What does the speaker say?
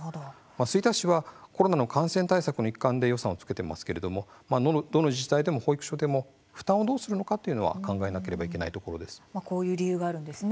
吹田市はコロナの感染対策の一環で予算をつけていますけれどもどの自治体でも保育所でも負担をどうするのかというのは考えなければいけないところです。